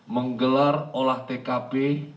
menggelar olah tkp